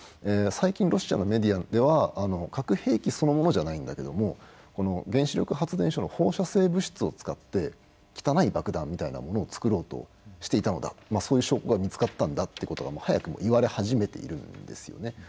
最近、ロシアのメディアでは核兵器そのものじゃないけれども原子力発電所の放射性物質を使って汚い爆弾みたいなものを作ろうとしていたのだそういう証拠が見つかったんだということが早くも言われ始めているんですよね。